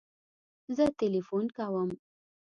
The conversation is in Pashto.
زه تلیفون کوم